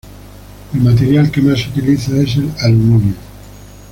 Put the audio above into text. El material que más se utiliza es el aluminio.